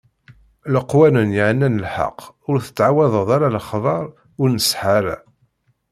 Leqwanen yeɛnan lḥeqq: ur tettɛawadeḍ ara lexbaṛ ur nṣeḥḥa ara.